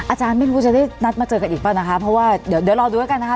อาจารย์ไม่รู้จะได้นัดมาเจอกันอีกเปล่านะคะเพราะว่าเดี๋ยวเดี๋ยวรอดูแล้วกันนะคะ